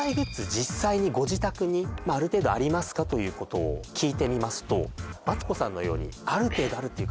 実際にご自宅にある程度ありますか？ということを聞いてみますとマツコさんのようにある程度あるっていう